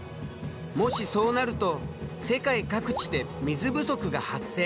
もしそうなると世界各地で水不足が発生！